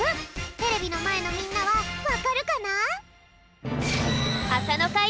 テレビのまえのみんなはわかるかな？